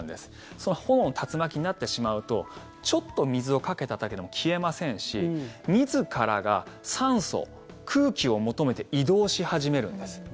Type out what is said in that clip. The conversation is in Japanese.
その炎の竜巻になってしまうとちょっと水をかけただけでも消えませんし自らが酸素、空気を求めて移動し始めるんです。